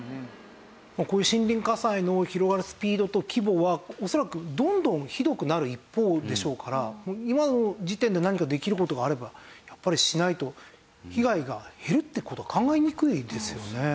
こういう森林火災の広がるスピードと規模は恐らくどんどんひどくなる一方でしょうから今の時点で何かできる事があればやっぱりしないと被害が減るっていう事は考えにくいですよね。